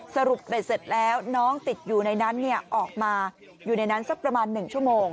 สรุปเสร็จแล้วน้องติดอยู่ในนั้นออกมาอยู่ในนั้นสักประมาณ๑ชั่วโมง